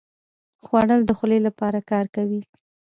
خوړل د خولې لپاره کار کوي